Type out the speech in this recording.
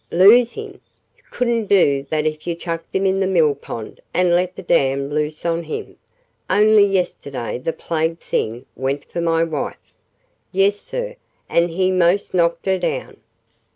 "Lose him! Couldn't do that if you chucked him in the mill pond and let the dam loose on him. Only yesterday the plagued thing went for my wife. Yes, sir, and he 'most knocked her down.